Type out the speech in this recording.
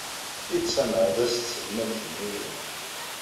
Ay d tameɛdazt tselmadt-nni!